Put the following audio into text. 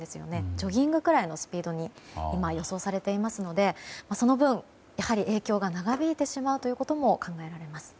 ジョギングくらいのスピードと予想されていますのでその分、影響が長引いてしまうということも考えられます。